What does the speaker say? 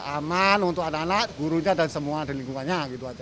aman untuk anak anak gurunya dan semua di lingkungannya